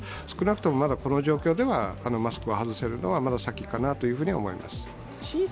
少なくともまだこの状況ではマスクを外せるのはまだ先かなと思います。